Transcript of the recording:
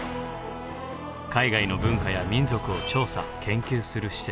海外の文化や民族を調査・研究する施設。